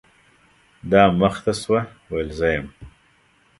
دا مخ ته شوه ، ویل زه یم .